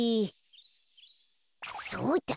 そうだ！